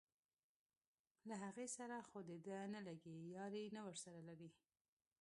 له هغې سره خو دده نه لګي یاري نه ورسره لري.